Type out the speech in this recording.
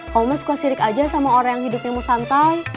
kamu mah suka sirik aja sama orang yang hidupnya musantai